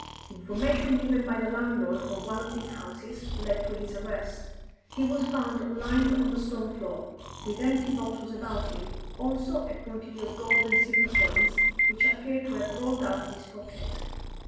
Information given by the landlord of one of these houses led to his arrest. He was found lying on the stone floor, with empty bottles about him, also a quantity of gold and silver coins, which appeared to have rolled out of his pocket.